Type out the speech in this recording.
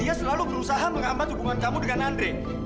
dia selalu berusaha menghambat hubungan kamu dengan andre